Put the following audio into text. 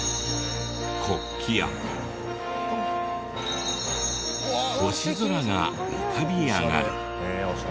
国旗や星空が浮かび上がる。